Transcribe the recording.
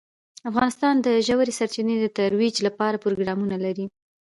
افغانستان د ژورې سرچینې د ترویج لپاره پروګرامونه لري.